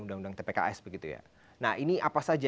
undang undang tpks begitu ya nah ini apa saja